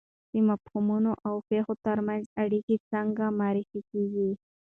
د مفهومونو او پېښو ترمنځ اړیکه څنګه معرفي کیږي؟